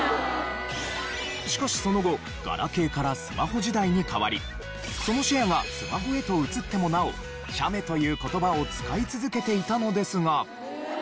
しかしその後ガラケーからスマホ時代に変わりそのシェアがスマホへと移ってもなお写メという言葉を使い続けていたのですが。